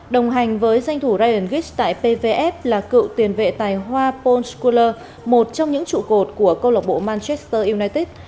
đồng hành với danh thủ ryan gitch tại pvf là cựu tiền vệ tài hoa paul schuller một trong những trụ cột của cô lạc bộ manchester united